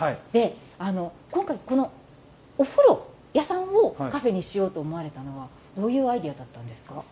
で今回このお風呂屋さんをカフェにしようと思われたのはどういうアイデアだったんですか？